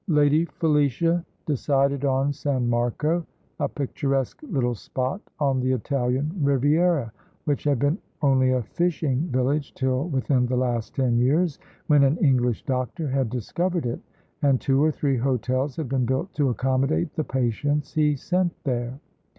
Lady Felicia decided on San Marco, a picturesque little spot on the Italian Riviera, which had been only a fishing village till within the last ten years, when an English doctor had "discovered" it, and two or three hotels had been built to accommodate the patients he sent there.